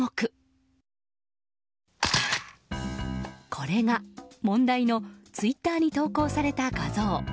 これが、問題のツイッターに投稿された画像。